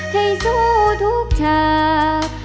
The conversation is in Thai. ให้สู้ทุกฉาก